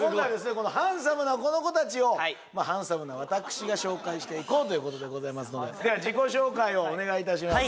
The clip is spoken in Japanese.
このハンサムなこの子たちをハンサムな私が紹介していこうということでございますのででは自己紹介をお願いいたします